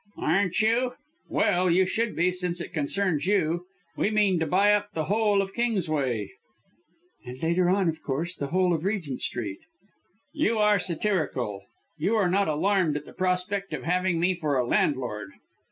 "Aren't you? Well, you should be, since it concerns you. We mean to buy up the whole of Kingsway!" "And later on, of course, the whole of Regent Street!" "You are satirical. You are not alarmed at the prospect of having me for a landlord!"